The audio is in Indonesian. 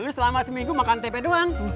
dulu selama seminggu makan tempe doang